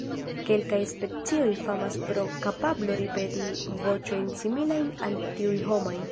Kelkaj specioj famas pro kapablo ripeti voĉojn similajn al tiuj homaj.